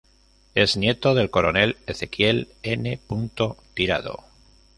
Es nieto del Coronel Ezequiel N. Tirado.